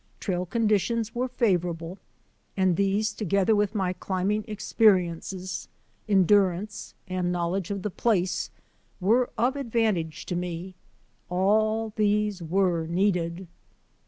Trail conditions were favourable, and these together with my climbing experiences, endurance, and knowledge of the place, were of advantage to me. All these were needed.